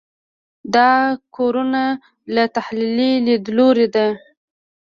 دا ګورنه له تحلیلي لیدلوري ده.